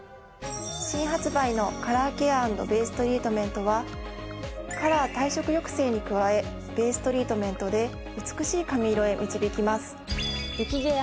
新発売のカラーケア＆ベーストリートメントはカラー褪色抑制に加えベーストリートメントで美しい髪色へ導きます。